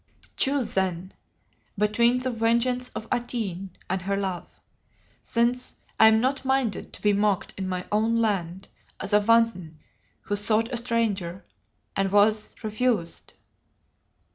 Choose then between the vengeance of Atene and her love, since I am not minded to be mocked in my own land as a wanton who sought a stranger and was refused."